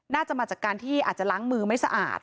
น่าจะมาจากการที่อาจจะล้างมือไม่สะอาด